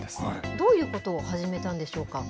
どういうことを始めたんでしょうか。